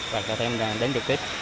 hoặc là thêm đến trực tiếp